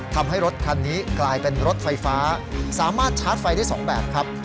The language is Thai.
ทำให้รถคันนี้กลายเป็นรถไฟฟ้าสามารถชาร์จไฟได้๒แบบครับ